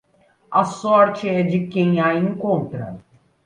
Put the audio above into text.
A sorte é de quem a encontra.